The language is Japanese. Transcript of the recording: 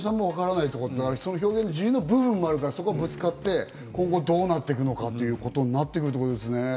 表現の自由の部分もあるからぶつかって、今後どうなっていくのかということになってくるということですね。